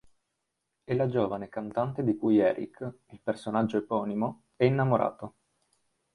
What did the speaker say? È la giovane cantante di cui Erik, il personaggio eponimo, è innamorato.